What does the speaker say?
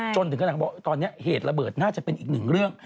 จนถึงขนาดบอกตอนนี้เหตุระเบิดน่าจะเป็นอีกหนึ่งเรื่อง